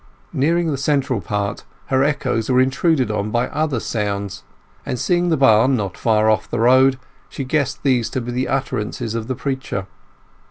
Nearing the central part, her echoes were intruded on by other sounds; and seeing the barn not far off the road, she guessed these to be the utterances of the preacher.